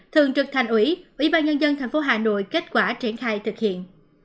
thường trực thành ủy ủy ban nhân dân tp hà nội kết quả triển khai thực hiện